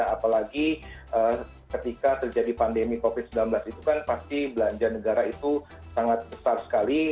apalagi ketika terjadi pandemi covid sembilan belas itu kan pasti belanja negara itu sangat besar sekali